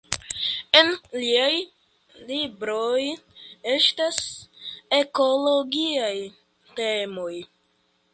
En liaj libroj estas ekologiaj temoj.